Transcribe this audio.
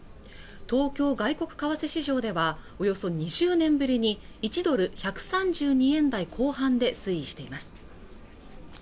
東京外国為替市場ではおよそ２０年ぶりに１ドル＝１３２円台後半で推移しています